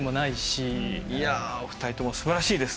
いやお二人ともすばらしいです。